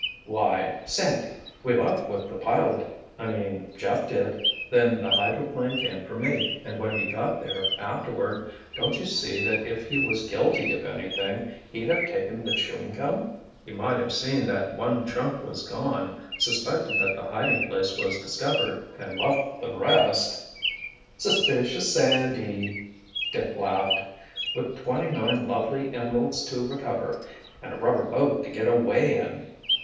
"Why—Sandy! We left with the pilot—I mean, Jeff did. Then the hydroplane came for me, and when he got there, afterward, don't you see that if he was guilty of anything, he'd have taken the chewing gum?" "He might have seen that one chunk was gone, suspected that the hiding place was discovered and left the rest——" "Suspicious Sandy!" Dick laughed. "With twenty nine lovely emeralds to recover—and a rubber boat to get away in!"